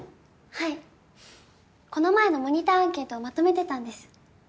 はいこの前のモニターアンケートをまとめてたんです